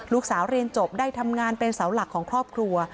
ลูกสาวเรียนจบได้ทำงานเป็นเสาหลักของครอบครัว